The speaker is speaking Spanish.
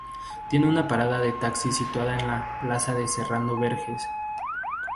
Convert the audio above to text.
Tiene una parada de taxi situada en la Plaza de Serrano Berges.